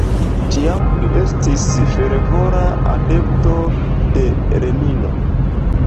Tiam li estis fervora adepto de Lenino.